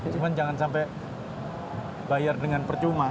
cuma jangan sampai bayar dengan percuma